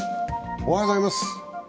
おはようございます。